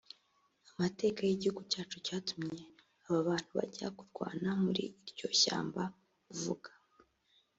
amateka y’igihugu cyacu yatumye aba bantu bajya kurwana muri iryo shyamba uvuga